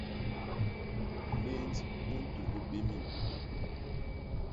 Nlénd u ntugul bé mim.